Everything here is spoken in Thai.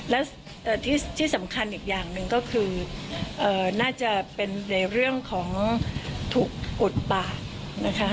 และที่สำคัญอีกอย่างหนึ่งก็คือน่าจะเป็นในเรื่องของถูกอุดปากนะคะ